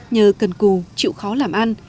nhờ cần cù chịu khó làm ăn